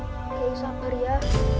pak kiai sabar ya